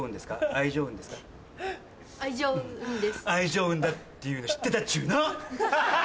愛情運だっていうの知ってたっちゅうの！